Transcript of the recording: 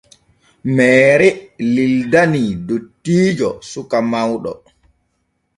Meere lildani dottiijo suka mawɗo.